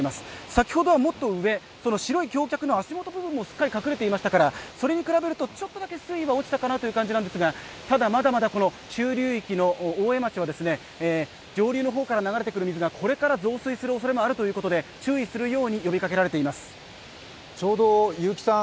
先ほどはもっと上、白い橋脚の足元部分もすっかり隠れていましたからそれに比べるとちょっとだけ水位は落ちたかなという感じなんですがただまだまだ中流域の大江町は、上流の方から流れて来る水がこれから増水おそれもあるということで、注意するように呼びかけられています。